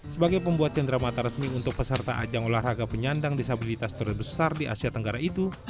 sebagai pembuat cendera mata resmi untuk peserta ajang olahraga penyandang disabilitas terbesar di asia tenggara itu